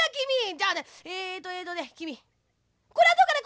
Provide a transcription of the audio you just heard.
じゃあねえっとえっとねきみこれはどうかね？